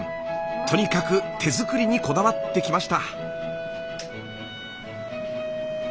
とにかく手作りにこだわってきました。